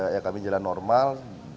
ya kami jalan normal